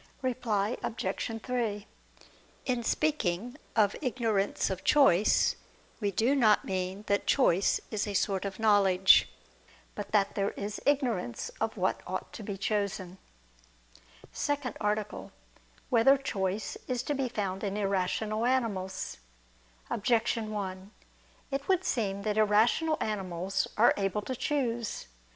Reply Obj. 3: In speaking "of ignorance of choice," we do not mean that choice is a sort of knowledge, but that there is ignorance of what ought to be chosen. ________________________ SECOND ARTICLE [I II, Q. 13, Art. 2] Whether Choice Is to Be Found in Irrational Animals? Objection 1: It would seem that irrational animals are able to choose.